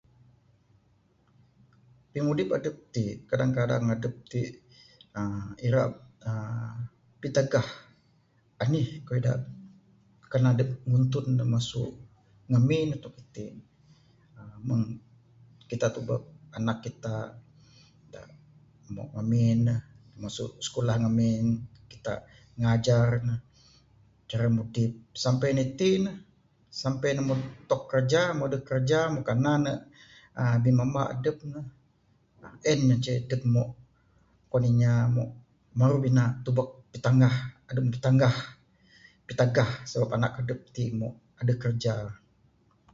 Pimudip adep ti kadang kadang adep ti uhh ira uhh pitegah enih keyuh dak kan adep nguntun ne mesu ngemin tok iti uhh mung kita tebuk anak kita dak mung ngemin ne mesu sikulah ngemin kita ngajar ne cara mudip sampe ne iti ne sampe ne moh tok kerja moh deh kerja kanan ne uhh bimemba adep ne en mah ceh dep mok kuan inya mok meru bina tebuk pitengah adep pitengah pitegah anak adep ti ne mok adeh kerja.